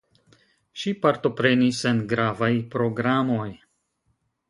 Ŝi partoprenis en gravaj programoj.